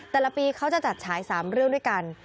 แต่ละปีเขาจะจัดฉาย๓เรื่องด้วยกัน